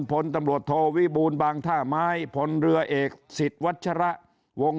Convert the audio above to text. พลตำรวจโทวิบูลบางท่าไม้พลเรือเอกสิทธิ์วัชระวง